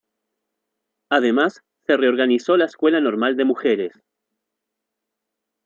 Además, se reorganizó la Escuela Normal de Mujeres.